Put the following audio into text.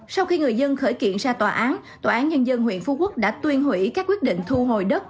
sau khi người dân khởi kiện ra tòa án tòa án nhân dân huyện phú quốc đã tuyên hủy các quyết định thu hồi đất